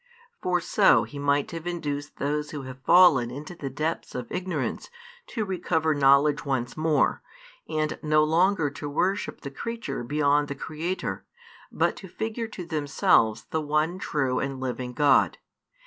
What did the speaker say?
For so He might have induced those who have fallen into the depths of ignorance to recover knowledge once more, and no longer to worship the creature beyond the Creator, but to figure to themselves the One true and living God.